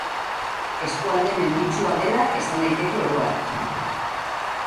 Eskualde menditsua dela esan daiteke oro har.